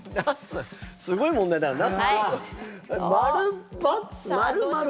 すごい問題だな。